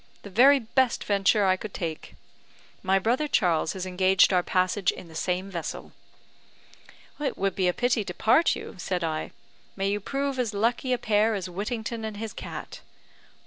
The very best venture I could take. My brother Charles has engaged our passage in the same vessel." "It would be a pity to part you," said I. "May you prove as lucky a pair as Whittington and his cat."